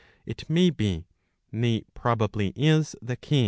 It may be, nay probably is, the case, 1 D.